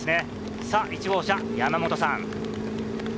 １号車、山本さん。